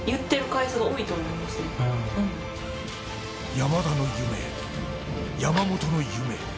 山田の夢、山本の夢